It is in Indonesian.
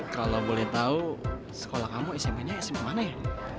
kalau boleh tahu sekolah kamu smp nya sma mana ya